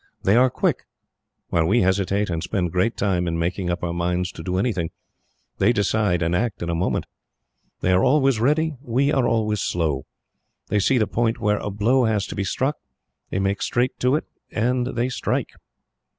They are quick. While we hesitate, and spend great time in making up our minds to do anything, they decide and act in a moment. They are always ready, we are always slow. They see the point where a blow has to be struck, they make straight to it and strike.